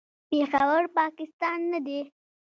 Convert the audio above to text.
پېښور، پاکستان نه دی.